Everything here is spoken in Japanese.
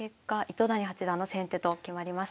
糸谷八段の先手と決まりました。